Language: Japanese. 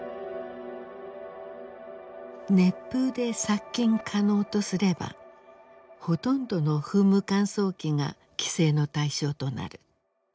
熱風で殺菌可能とすればほとんどの噴霧乾燥機が規制の対象となる。